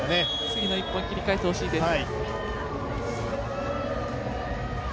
次の１本切り替えてほしいです。